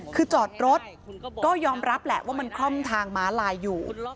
คือจอดรถก็ยอมรับแหละว่ามันคล่อมทางม้าลายอยู่